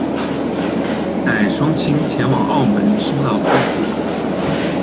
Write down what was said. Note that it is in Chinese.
带双亲前往澳门输到脱裤